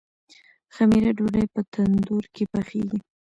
خمیره ډوډۍ په تندور کې پخیږي.